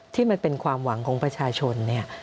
ที่มันเป็นความหวังของประชาชนเนี่ย